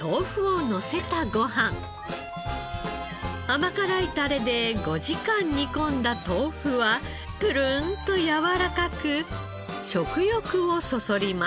甘辛いタレで５時間煮込んだ豆腐はプルンとやわらかく食欲をそそります。